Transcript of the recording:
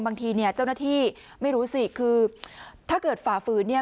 บางทีเนี่ยเจ้าหน้าที่ไม่รู้สิคือถ้าเกิดฝ่าฝืนเนี่ย